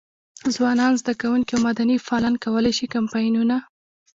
ځوانان، زده کوونکي او مدني فعالان کولای شي کمپاینونه.